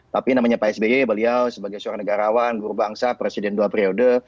tapi namanya pak sby beliau sebagai seorang negarawan guru bangsa presiden dua periode